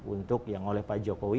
untuk yang oleh pak jokowi